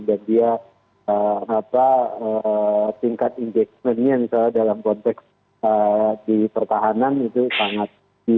dan dia tingkat engagementnya dalam konteks di pertahanan itu sangat